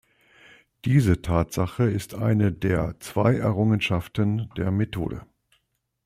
Diese Tatsache ist eine der zwei Errungenschaften der Methode.